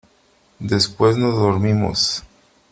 después nos dormimos .